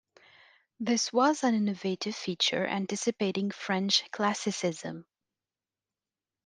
This was an innovative feature anticipating French classicism.